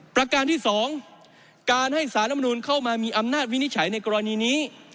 ประการที่๒การให้สารมนุนเข้ามามีอำนาจวินิจฉัยในกรณีนี้